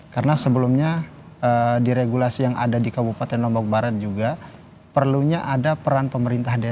karena sebelumnya di regulasi yang ada di kabupaten lombok barat juga perlunya ada peran pemerintah desa di situ